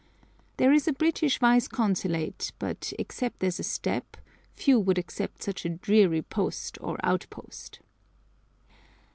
{115a} There is a British Vice Consulate, but, except as a step, few would accept such a dreary post or outpost.